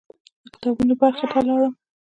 د کتابونو برخې ته لاړم.